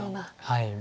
はい。